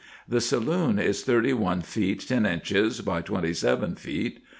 The saloon is thirty one feet ten inches by twenty seven feet.